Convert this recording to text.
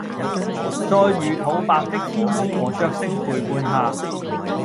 在魚肚白的天空和雀聲陪伴下